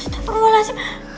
terus terlalu lah sih